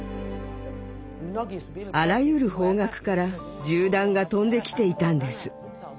あらゆる方角から銃弾が飛んできていたんです。